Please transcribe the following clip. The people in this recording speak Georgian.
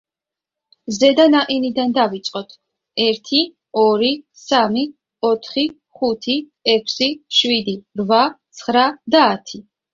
ზედა ნაყინიდან დავიწყოთ: ერთი, ორი, სამი, ოთხი, ხუთი, ექვსი, შვიდი, რვა, ცხრა და ათი.